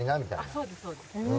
そうですそうです。